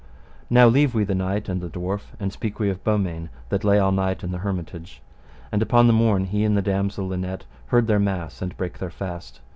Now leave we the knight and the dwarf, and speak we of Beaumains, that all night lay in the hermitage; and upon the morn he and the damosel Linet heard their mass and brake their fast.